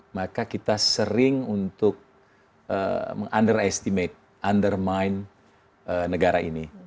maka kita sering untuk underestimate undermine negara ini